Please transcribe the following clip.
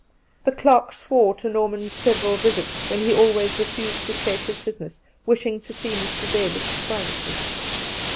The clerk swore to Norman's several visits, when he always refused to state his busi ness, wishing to see Mr. Davis privately.